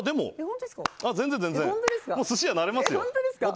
全然、寿司屋なれますよ。